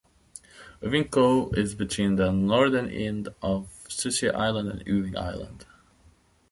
Ewing Cove is between the northeast end of Sucia island and Ewing Island.